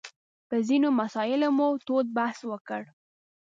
په ځینو مسایلو مو تود بحث وکړ.